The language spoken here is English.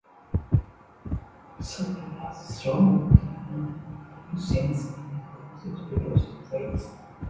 Thorkell had sworn to her innocence and consequently lost face.